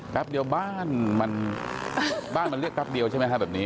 แป๊บเดียวบ้านมันบ้านมันเรียกแป๊บเดียวใช่ไหมฮะแบบนี้